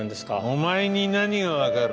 お前に何がわかる。